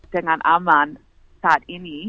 dengan aman saat ini